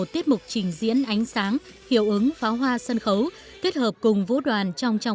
trang phục trình diễn ánh sáng hiệu ứng pháo hoa sân khấu kết hợp cùng vũ đoàn trong trang